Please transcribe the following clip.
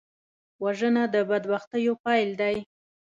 وژنه د بدبختیو پیل دی